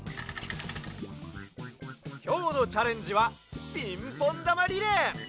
きょうのチャレンジはピンポンだまリレー！